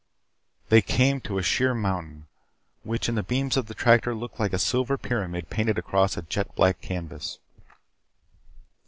They came to a sheer mountain which in the beams of the tractor looked like a silver pyramid painted across a jet black canvas.